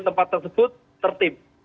tempat tersebut tertib